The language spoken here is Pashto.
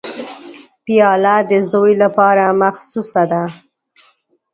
پیاله د زوی لپاره مخصوصه ده.